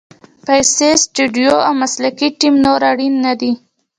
پیسې، سټوډیو او مسلکي ټیم نور اړین نه دي.